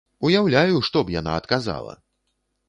Уяўляю, што б яна адказала!